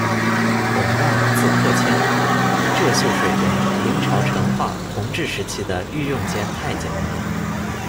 董让，字克谦，浙秀水人，明朝成化、弘治时期的御用监太监。